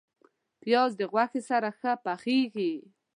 پیاز د غوښې سره ښه پخیږي